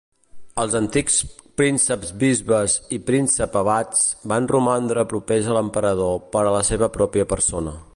Els antics prínceps-bisbes i príncep-abats van romandre propers a l'emperador per a la seva pròpia persona.